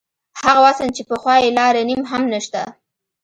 هغه وزن چې پخوا یې لاره نیم هم نشته.